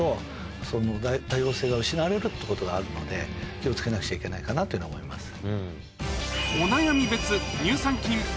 失われるってことがあるので気を付けなくちゃいけないかなというふうに思います。